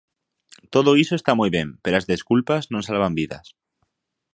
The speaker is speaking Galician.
Todo iso está moi ben, pero as desculpas non salvan vidas.